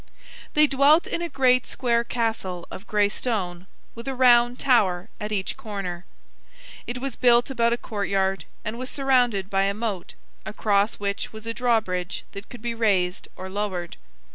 They dwelt in a great square castle of gray stone, with a round tower at each corner. It was built about a courtyard, and was surrounded by a moat, across which was a drawbridge that could be raised or lowered.